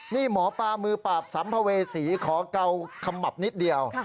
นี่หมอปลามือปราบสัมภเวษีขอเกาขมับนิดเดียว